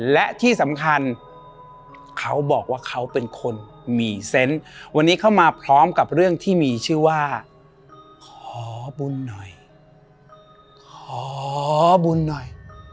และที่สำคัญเขาบอกว่าเขาเป็นคนมีเซนต์วันนี้เข้ามาพร้อมกับเรื่องที่มีชื่อว่าขอบุญหน่อยขอบุญหน่อย